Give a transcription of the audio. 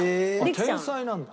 天才なんだ。